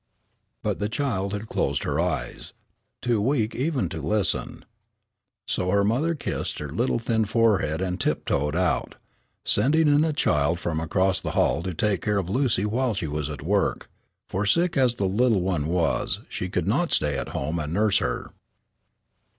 But the child had closed her eyes, too weak even to listen. So her mother kissed her little thin forehead and tiptoed out, sending in a child from across the hall to take care of Lucy while she was at work, for sick as the little one was she could not stay at home and nurse her.